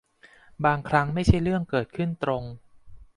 บางครั้งไม่ใช่เรื่องเกิดขึ้นตรง